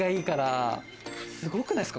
すごくないですか？